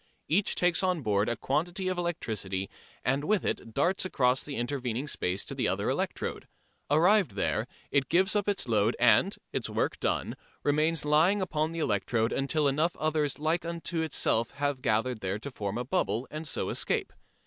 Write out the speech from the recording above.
Each takes on board a quantity of electricity and with it darts across the intervening space to the other electrode. Arrived there, it gives up its load and, its work done, remains lying upon the electrode until enough others like unto itself have gathered there to form a bubble and so escape.